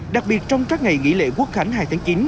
đặc biệt trong các ngày nghỉ lễ quốc khánh hai tháng chín